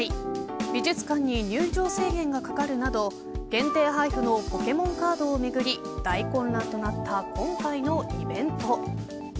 美術館に入場制限がかかるなど限定配布のポケモンカードをめぐり大混乱となった今回のイベント。